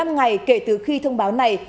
một mươi ngày kể từ khi thông báo này